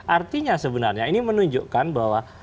artinya sebenarnya ini menunjukkan bahwa